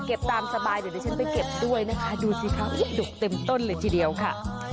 ตามสบายเดี๋ยวดิฉันไปเก็บด้วยนะคะดูสิครับดุกเต็มต้นเลยทีเดียวค่ะ